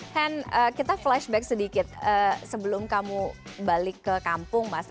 han kita flashback sedikit sebelum kamu balik ke kampung mas